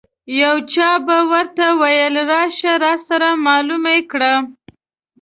یو چا به ورته ویل راشه راسره معلومه یې کړه.